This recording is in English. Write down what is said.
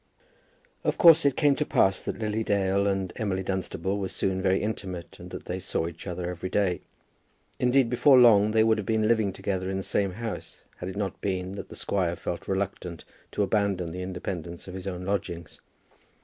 Of course it came to pass that Lily Dale and Emily Dunstable were soon very intimate, and that they saw each other every day. Indeed, before long they would have been living together in the same house had it not been that the squire had felt reluctant to abandon the independence of his own lodgings.